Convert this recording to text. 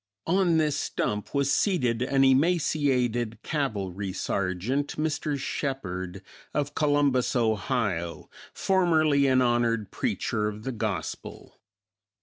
On this stump was seated an emaciated cavalry sergeant, Mr. Shepard, of Columbus, Ohio, formerly an honored preacher of the gospel.